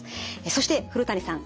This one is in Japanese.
そして古谷さん